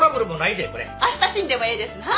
あした死んでもええですなあ？